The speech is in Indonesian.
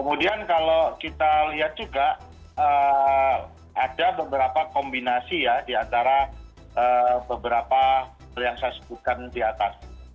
kemudian kalau kita lihat juga ada beberapa kombinasi ya di antara beberapa yang saya sebutkan di atas